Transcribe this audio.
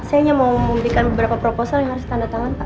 sayangnya mau memberikan beberapa proposal yang harus tanda tangan pak